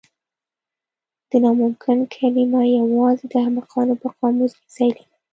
د ناممکن کلمه یوازې د احمقانو په قاموس کې ځای لري.